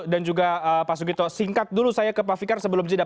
dan juga pak sugito singkat dulu saya ke pak fikar sebelum jadah